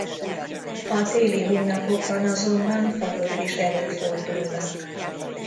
A téli hónapokban azonban fagyok is előfordulnak.